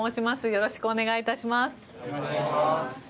よろしくお願いします。